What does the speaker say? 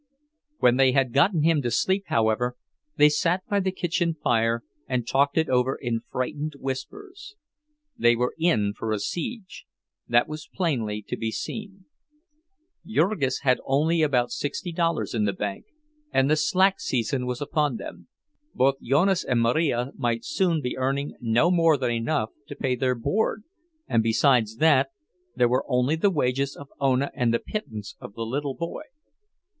When they had gotten him to sleep, however, they sat by the kitchen fire and talked it over in frightened whispers. They were in for a siege, that was plainly to be seen. Jurgis had only about sixty dollars in the bank, and the slack season was upon them. Both Jonas and Marija might soon be earning no more than enough to pay their board, and besides that there were only the wages of Ona and the pittance of the little boy.